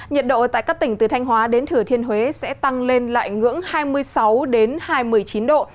nhiệt độ tại các tỉnh từ thanh hóa đến thừa thiên huế sẽ tăng lên lại ngưỡng hai mươi sáu hai mươi chín độ